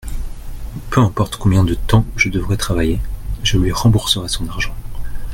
Peu importe combien de temps je devrai travailler, je lui rembourserai son argent.